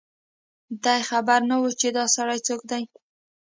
دی خبر نه و چي دا سړی څوک دی